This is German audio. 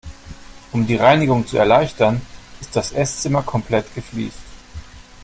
Um die Reinigung zu erleichtern, ist das Esszimmer komplett gefliest.